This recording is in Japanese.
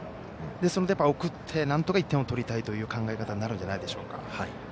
ですので、送ってなんとか１点を取りたいという考え方になるんじゃないでしょうか。